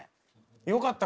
よかった！